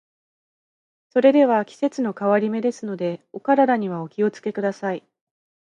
それでは、季節の変わり目ですので、お体にはお気を付けください。